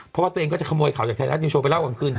เพราะว่าตัวเองก็จะขโมยข่าวจากไทยรัฐนิวโชว์ไปเล่ากลางคืน